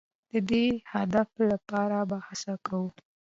د دې هدف لپاره به هڅه کوو.